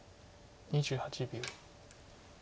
２８秒。